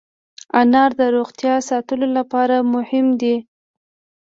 انار د روغتیا ساتلو لپاره مهم دی.